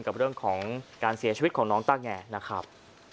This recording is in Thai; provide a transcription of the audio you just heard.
กับเรื่องของการเสียชีวิตของน้องต้าแงนะครับ